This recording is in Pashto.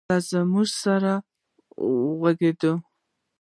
له موږ سره وغږېد